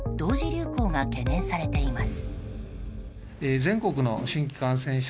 流行が懸念されています。